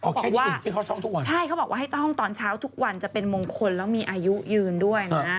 จุดที่เขาท่องทุกวันใช่เขาบอกว่าให้ท่องตอนเช้าทุกวันจะเป็นมงคลแล้วมีอายุยืนด้วยนะ